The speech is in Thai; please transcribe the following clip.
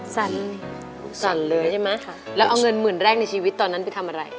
สั่นสั่นเลยใช่ไหมแล้วเอาเงินหมื่นแรกในชีวิตตอนนั้นไปทำอะไร